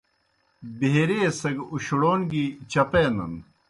بھیریئے سگہ اُشڑَون گیْ چپینَن۔